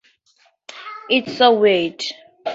It's so weird.